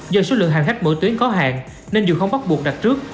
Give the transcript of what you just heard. do số lượng hành khách mỗi tuyến có hạn nên dù không bắt buộc đặt trước